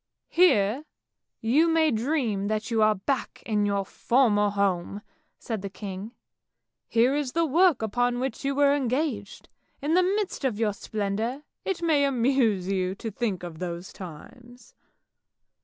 " Here you may dream that you are back in your former home! " said the king. " Here is the work upon which you were engaged; in the midst of your splendour, it may amuse you to think of those times."